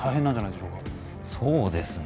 そうですね。